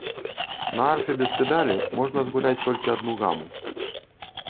На арфе без педалі можна згуляць толькі адну гаму.